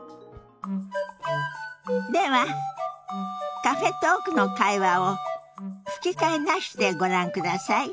ではカフェトークの会話を吹き替えなしでご覧ください。